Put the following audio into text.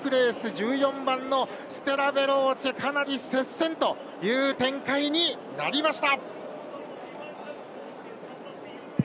１４番ステラヴェローチェかなり接戦という展開になりました。